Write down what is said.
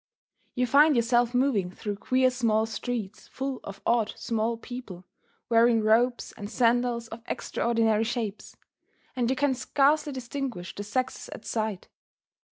You find yourself moving through queer small streets full of odd small people, wearing robes and sandals of extraordinary shapes; and you can scarcely distinguish the sexes at sight.